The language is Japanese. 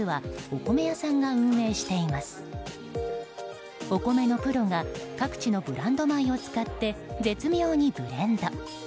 お米のプロが各地のブランド米を使って絶妙にブレンド。